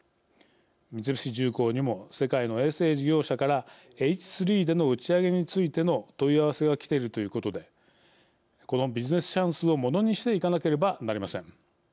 三菱重工にも世界の衛星事業者からＨ３での打ち上げについての問い合わせがきているということでこのビジネスチャンスをものにしていかなければなりません。